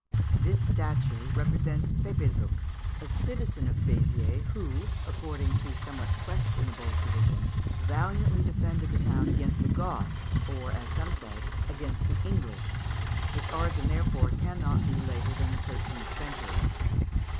This statue represents Pepézuch, a citizen of Béziers, who, according to somewhat questionable tradition, valiantly defended the town against the Goths, or, as some say, against the English; its origin, therefore, cannot be later than the thirteenth century.